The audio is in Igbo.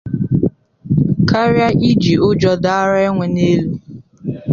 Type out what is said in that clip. karịa iji ụjọ dàárá ènwè n'elu.